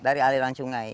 dari aliran sungai